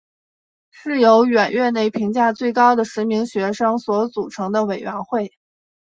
是由远月内评价最高的十名学生所组成的委员会。